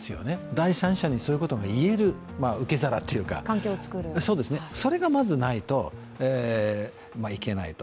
第三者にそういうことが言える受け皿、環境、それがまずないといけないと。